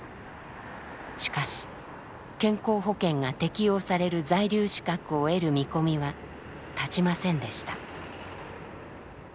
しかし健康保険が適用される在留資格を得る見込みは立ちませんでした。